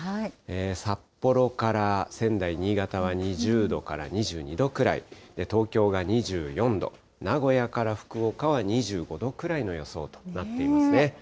札幌から仙台、新潟は２０度から２２度くらい、東京が２４度、名古屋から福岡は２５度くらいの予想となっていますね。